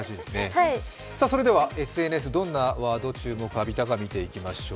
それではＳＮＳ、どんな言葉が注目を浴びたか見ていきましょう。